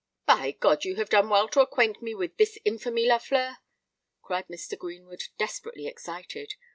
"By God, you have done well to acquaint me with this infamy, Lafleur!" cried Mr. Greenwood, desperately excited.